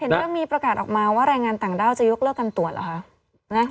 แล้วมีประกาศออกมาว่ารายงานต่างด้าวจะยกเลือกการตรวจหรือคะ